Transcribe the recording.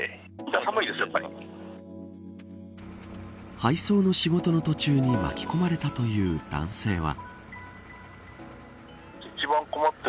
配送の仕事の途中に巻き込まれたという男性は。